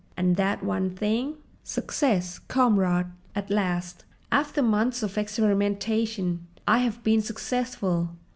"And that one thing?" "Success, comrades! At last—after months of experimentation—I have been successful!"